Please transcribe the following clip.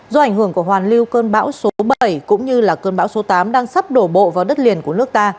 do ảnh hưởng của hoàn lưu cơn bão số bảy cũng như cơn bão số tám đang sắp đổ bộ vào đất liền của nước ta